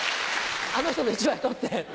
あの人の１枚取って。